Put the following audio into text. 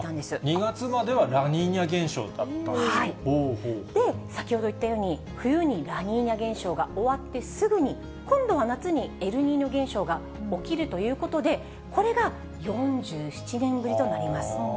２月まではラニーニャ現象だで、先ほど言ったように、冬にラニーニャ現象が終わってすぐに、今度は夏にエルニーニョ現象が起きるということで、これが４７年ぶりとなります。